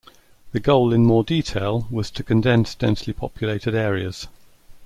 The goal in more detail was to condense densely populated areas.